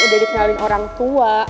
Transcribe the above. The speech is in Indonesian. udah dikenalin orang tua